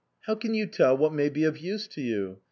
" How can you tell what may be of use to you?